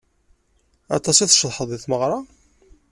Aṭas i tceḍḥeḍ di tmeɣra?